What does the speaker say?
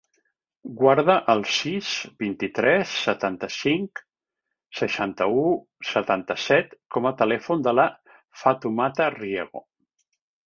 Guarda el sis, vint-i-tres, setanta-cinc, seixanta-u, setanta-set com a telèfon de la Fatoumata Riego.